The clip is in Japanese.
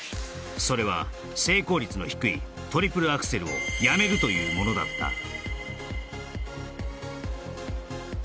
それは成功率の低いトリプルアクセルをやめるというものだった